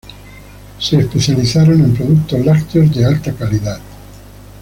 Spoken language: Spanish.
Se especializaron en productos lácteos de alta calidad.